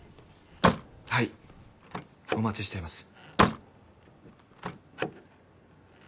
はいお待ちしています。